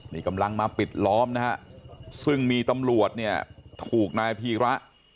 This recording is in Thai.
นี่กำลังมาปิดล้อมนะฮะซึ่งมีตำรวจเนี่ยถูกนายพีระ